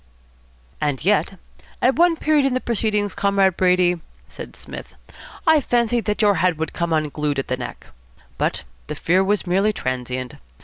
"And yet at one period in the proceedings, Comrade Brady," said Psmith, "I fancied that your head would come unglued at the neck. But the fear was merely transient.